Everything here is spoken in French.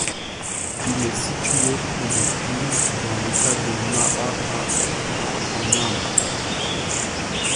Il est situé près de Pune dans l'État de Maharashtra en Inde.